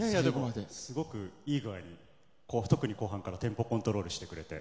でもすごくいい具合に後半からテンポコントロールしてくれて。